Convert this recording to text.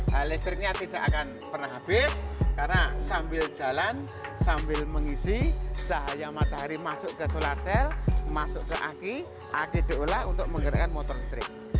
nah listriknya tidak akan pernah habis karena sambil jalan sambil mengisi cahaya matahari masuk ke solar cell masuk ke aki aki diolah untuk menggerakkan motor listrik